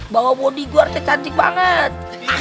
bawa bodi gue harusnya cantik banget